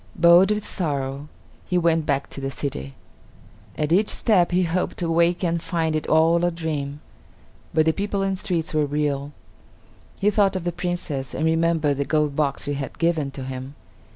Bowed with sorrow, he went back to the city. At each step he hoped to wake and find it all a dream, but the people and streets were real. He thought of the Princess, and remembered the gold box she had given to him.